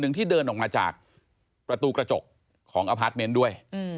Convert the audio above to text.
น้ำเงินคนหนึ่งที่เดินออกมาจากประตูกระจกของอพาร์ทเม้นต์ด้วย